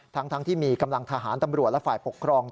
ทั้งที่มีกำลังทหารตำรวจและฝ่ายปกครอง